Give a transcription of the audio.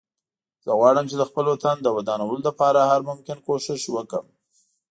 زه غواړم چې د خپل وطن د ودانولو لپاره هر ممکن کوښښ وکړم